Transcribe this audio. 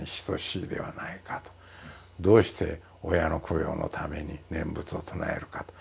どうして親の供養のために念仏を唱えるかと。